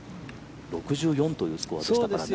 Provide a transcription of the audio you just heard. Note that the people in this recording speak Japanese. ６４というスコアでしたからね。